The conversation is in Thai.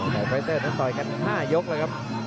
แต่ไฟเซอร์นั้นต่อยแค่๕ยกแล้วครับ